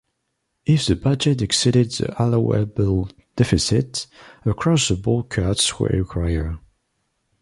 If the budget exceeded the allowable deficit, across-the-board cuts were required.